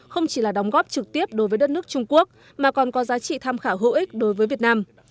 không chỉ là đóng góp trực tiếp đối với đất nước trung quốc mà còn có giá trị tham khảo hữu ích đối với việt nam